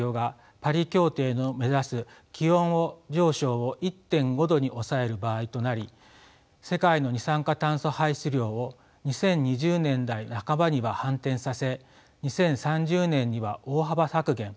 パリ協定の目指す気温上昇を１．５℃に抑える場合となり世界の二酸化炭素排出量を２０２０年代半ばには反転させ２０３０年には大幅削減。